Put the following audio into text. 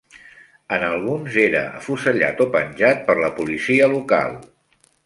En alguns era afusellat o penjat per la policia local.